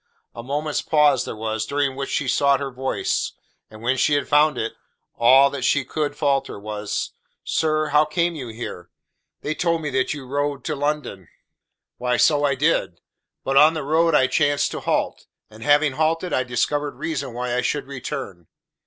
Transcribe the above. A moment's pause there was, during which she sought her voice, and when she had found it, all that she could falter was: "Sir, how came you here? They told me that you rode to London." "Why, so I did. But on the road I chanced to halt, and having halted I discovered reason why I should return."